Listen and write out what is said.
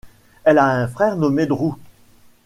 Elle a un frère nommé Drew.